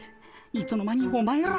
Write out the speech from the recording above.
いつの間にお前ら。